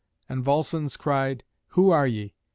And Volscens cried, "Who are ye?